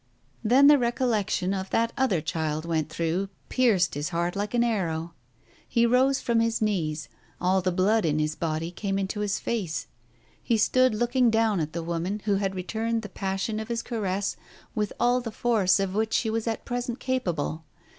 Then the recollection of that other child went through, pierced his heart like an arrow. He rose from his knees. All the blood in his body came into his face. He stood Digitized by Google 282 TALES OF THE UNEASY looking down on the woman, who had returned the passion of his caress with all the force of which she was at present capable.